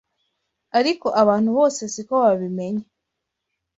ariko abantu bose siko babimenya